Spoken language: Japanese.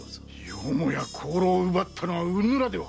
よもや香炉を奪ったのはうぬらでは？